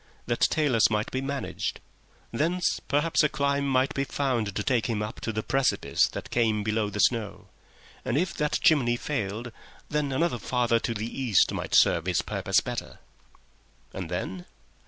That talus might be managed. Thence perhaps a climb might be found to take him up to the precipice that came below the snow; and if that chimney failed, then another farther to the east might serve his purpose better. And then?